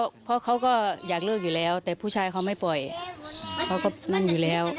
เพราะเขาก็อยากเลิกอยู่แล้วแต่ผู้ชายเขาไม่ปล่อยเขาก็นั่นอยู่แล้ว